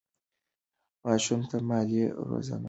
ماشومانو ته مالي روزنه ورکړئ.